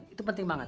itu penting banget